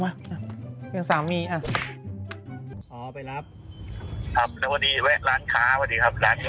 อ๋อประสงค์กันก่อนที่จะล้มใช่ไหม